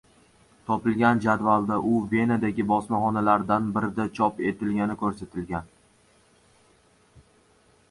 Topilgan jadvalda u Venadagi bosmaxonalardan birida chop etilgani koʻrsatilgan.